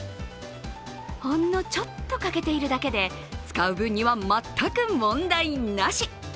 ほんのちょっと欠けているだけで、使う分には全く問題なし。